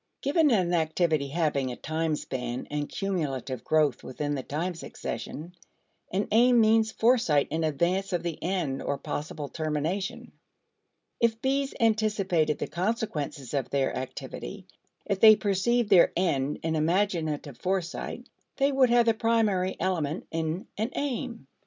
Given an activity having a time span and cumulative growth within the time succession, an aim means foresight in advance of the end or possible termination. If bees anticipated the consequences of their activity, if they perceived their end in imaginative foresight, they would have the primary element in an aim.